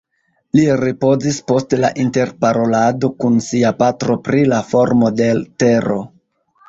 Li ripozis post la interparolado kun sia patro pri la formo de l' tero